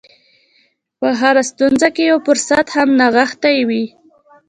په هره ستونزه کې یو فرصت هم نغښتی وي